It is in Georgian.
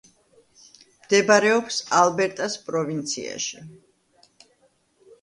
მდებარეობს ალბერტას პროვინციაში.